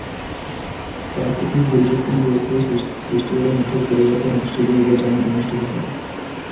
প্রাকৃতিক দুর্যোগপূর্ণ পরিস্থিতির সৃষ্টি হলে মাঠের পরিবর্তে মসজিদে ঈদের জামাত অনুষ্ঠিত হবে।